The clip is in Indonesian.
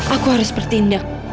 aku harus bertindak